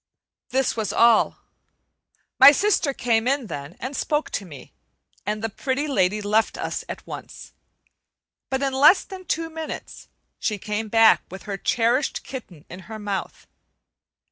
This was all. My sister came in then and spoke to me, and the Pretty Lady left us at once; but in less than two minutes she came back with her cherished kitten in her mouth.